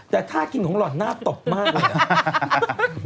แต่ท่ากินของหล่อนหน้าตบมากเลยนะ